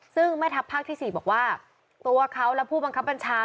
ซึ่งแม่ทัพภาคที่๔บอกว่าตัวเขาและผู้บังคับบัญชา